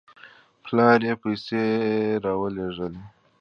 پلار یې پیسې راولېږلې.